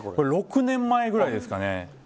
６年前ぐらいですかね。